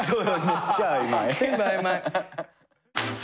めっちゃ曖昧。